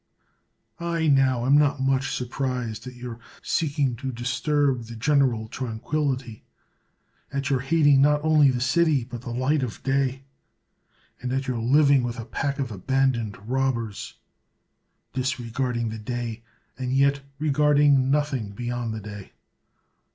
I now am not much surprised at your seeking to disturb the general tranquillity ; at your hating not only the city but the light of day ; and at your living with a pack of abandoned robbers, disregarding the day, and yet regarding nothing beyond the day.